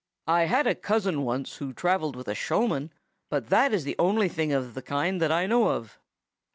I had a cousin once who travelled with a showman, but that is the only thing of the kind that I know of."